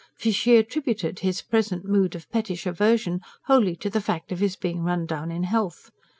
For she attributed his present mood of pettish aversion wholly to the fact of his being run down in health.